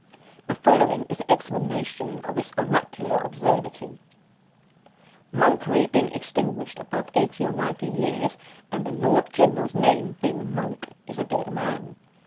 The following is the explanation of this oracular absurdity: "_Monkery being extinguished above eighty or ninety years, and the Lord General's name being Monk, is the dead man.